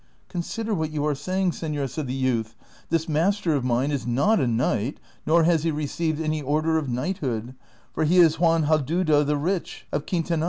'"" Consider what you are saying, seiior," said the youth ;" this master of mine is not a knight, nor has he received any order of knighthood ; for he is Juan Haldudo the Eich, of Quintanar."